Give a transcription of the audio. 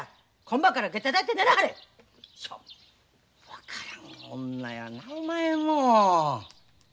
分からん女やなお前も！